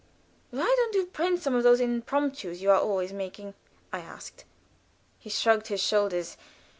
"Why don't you print some of those impromptus that you are always making?" I asked. He shrugged his shoulders.